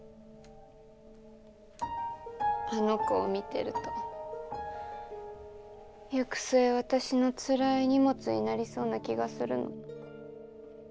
あの子を見てると行く末私のつらい荷物になりそうな気がするの。